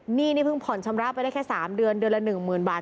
หนี้นี่เพิ่งผ่อนชำระไปได้แค่สามเดือนเดือนละหนึ่งหมื่นบาท